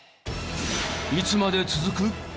いつまで続く？